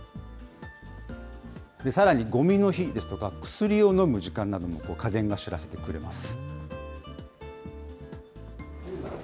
さらにごみの日ですとか、薬を飲む時間なども家電が知らせてくれます。